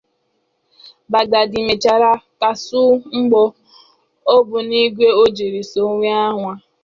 Baghdadi mechara kpasuo mgbọ ogbunigwe o jiri soo onwe ya